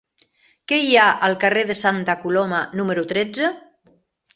Què hi ha al carrer de Santa Coloma número tretze?